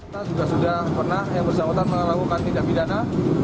kita juga sudah pernah yang bersyaratan melakukan pindah pidana